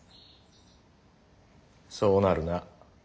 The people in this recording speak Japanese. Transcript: そうなるな。